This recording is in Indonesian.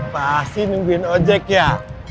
pasti nungguin ojek ya